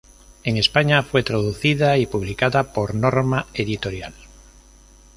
En España fue traducida y publicada por Norma Editorial.